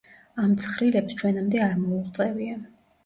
ამ ცხრილებს ჩვენამდე არ მოუღწევია.